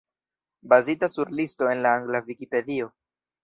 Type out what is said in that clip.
Bazita sur listo en la angla Vikipedio.